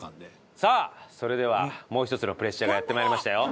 さあそれではもう一つのプレッシャーがやって参りましたよ。